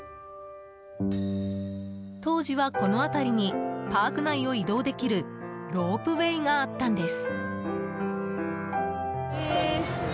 当時はこの辺りにパーク内を移動できるロープウェーがあったんです。